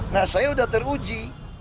nah saya udah teruji